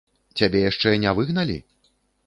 Цябе яшчэ не выгналі?